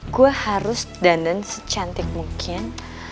gue harus dandance secantik mungkin